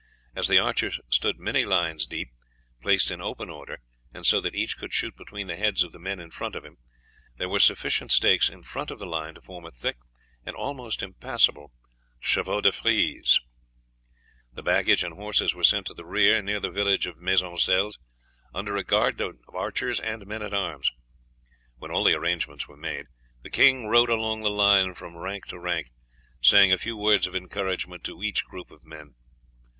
As the archers stood many lines deep, placed in open order and so that each could shoot between the heads of the men in front of him, there were sufficient stakes in front of the line to form a thick and almost impassable chevaux de frise. The baggage and horses were sent to the rear, near the village of Maisoncelles, under a guard of archers and men at arms. When all the arrangements were made, the king rode along the line from rank to rank, saying a few words of encouragement to each group of men.